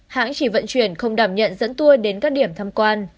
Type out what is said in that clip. hãng chỉ vận chuyển không đảm nhận dẫn tour đến các điểm thăm quan